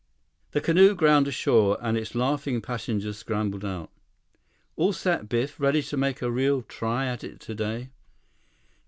54 The canoe ground ashore, and its laughing passengers scrambled out. "All set, Biff? Ready to make a real try at it today?"